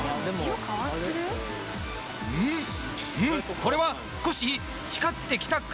これは少し光ってきたか？